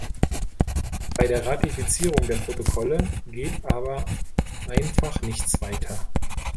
Bei der Ratifizierung der Protokolle geht aber einfach nichts weiter.